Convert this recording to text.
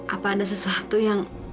apa ada sesuatu yang